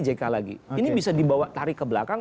jk lagi ini bisa dibawa tarik ke belakang